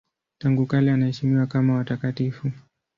Tangu kale anaheshimiwa kama watakatifu.